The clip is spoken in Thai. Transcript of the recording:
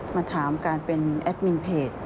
มาถามการเป็นแอดมินเพจ